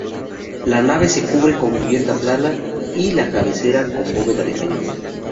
La nave se cubre con cubierta plana y la cabecera con bóveda de cañón.